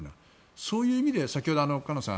そういう意味で先ほど、菅野さん